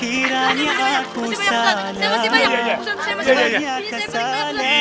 ini saya petik banget pak de